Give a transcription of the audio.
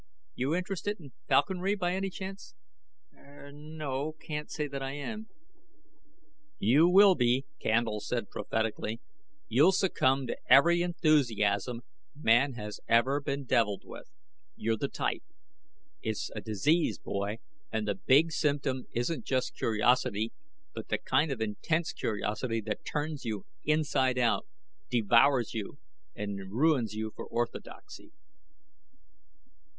You interested in falconry by any chance?" "Er, no. Can't say that I am." "You will be," Candle said prophetically, "you'll succumb to every enthusiasm man has ever been deviled with. You're the type. It's a disease, boy, and the big symptom isn't just curiosity, but the kind of intense curiosity that turns you inside out, devours you and ruins you for orthodoxy."